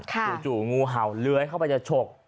จู่งูเห่าเลื้อยเข้าไปจะฉก